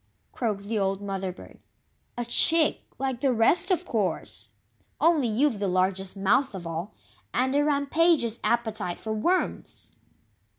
croaked the old Mother bird, "a chick, like the rest, of course! Only you've the largest mouth of all, and a rampageous appetite for WORMS!"